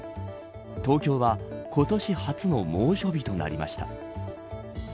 東京は今年初の猛暑日となりました。